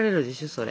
それ。